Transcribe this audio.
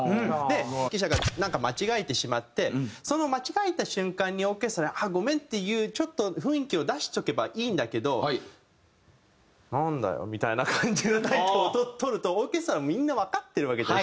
で指揮者がなんか間違えてしまってその間違えた瞬間にオーケストラ「あっごめん」っていうちょっと雰囲気を出しとけばいいんだけど「なんだよ」みたいな感じの態度を取るとオーケストラもみんなわかってるわけで。